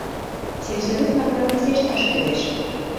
Сельсовет-влаклан писешташ кӱлеш.